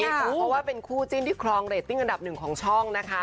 เพราะว่าเป็นคู่จิ้นที่ครองเรตติ้งอันดับหนึ่งของช่องนะคะ